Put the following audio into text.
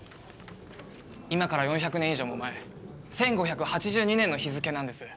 今から４００年以上も前１５８２年の日付なんです。